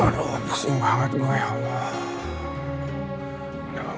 aduh pusing banget gue ya allah